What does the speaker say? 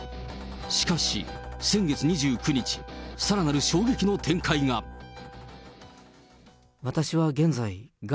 しかし、先月２９日、さらなる衝撃の展開が。